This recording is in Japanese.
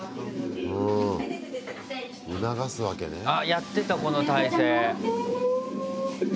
やってた、この体勢。